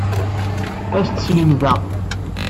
Ac-t-slemdeɣ.